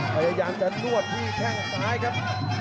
พยายามจะนวดที่แข้งซ้ายครับ